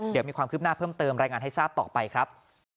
เดี๋ยวมีความคืบหน้าเพิ่มเติมรายงานให้ทราบต่อไปครับ